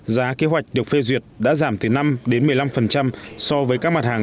giá kế hoạch được phê duyệt đã giảm từ năm đến một mươi năm so với các mặt hàng